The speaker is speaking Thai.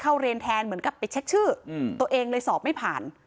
เรียนแทนเหมือนกับไปเช็คชื่อตัวเองเลยสอบไม่ผ่าน